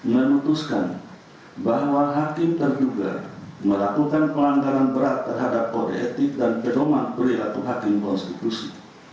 memutuskan bahwa hakim terduga melakukan pelanggaran berat terhadap kode etik dan pedoman perilaku hakim konstitusi